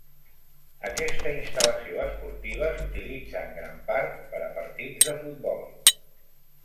Aquesta instal·lació esportiva s'utilitza en gran part per a partits de futbol.